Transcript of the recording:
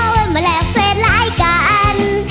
ว่ามาแล้วเฟสลายกัน